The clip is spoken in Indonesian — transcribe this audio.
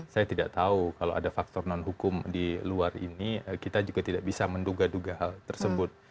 saya tidak tahu kalau ada faktor non hukum di luar ini kita juga tidak bisa menduga duga hal tersebut